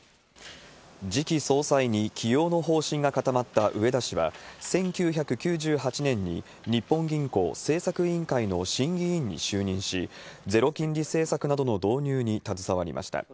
次期総裁に機用の方針が固まった植田氏は、１９９８年に日本銀行政策委員会の審議委員に就任し、ゼロ金利政策などの導入に携わりました。